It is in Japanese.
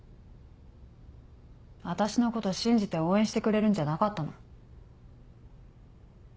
私のこと信じて応援してくれるんじゃなかったの？